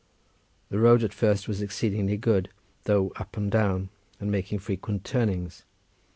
The road at first was exceedingly good, though up and down, and making frequent turnings.